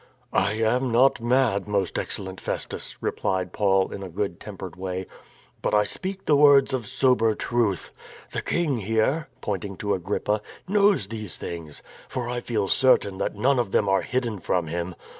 " I am not mad, most excellent Festus," replied Paul in a good tempered way. " But I speak the words of sober truth. The king here," pointing to Agrippa, "knows these things, for I feel certain that none of them are hidden from him.